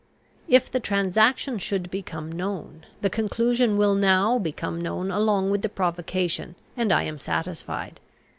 If the transaction should become known, the conclusion will now become known along with the provocation, and I am satisfied.